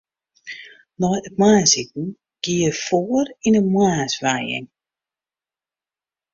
Nei it moarnsiten gie er foar yn in moarnswijing.